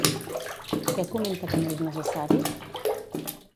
Què comenta que no és necessari?